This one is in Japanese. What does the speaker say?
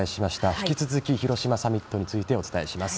引き続き広島サミットについてお伝えします。